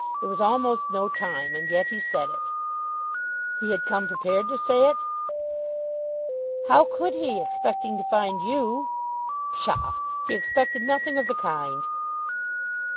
It was almost no time, and yet he said it." "He had come prepared to say it." "How could he, expecting to find you?" "Psha! He expected nothing of the kind."